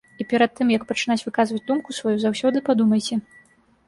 І перад тым, як пачынаць выказваць думку сваю, заўсёды падумайце.